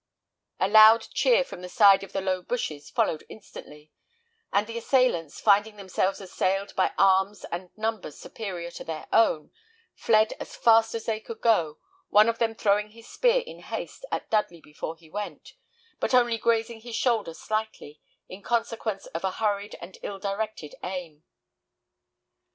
A loud cheer from the side of the low bushes followed instantly; and the assailants, finding themselves assailed by arms and numbers superior to their own, fled as fast as they could go, one of them throwing his spear in haste at Dudley before he went, but only grazing his shoulder slightly, in consequence of a hurried and ill directed aim.